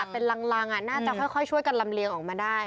เป็นรังน่าจะค่อยช่วยกันลำเลียงออกมาได้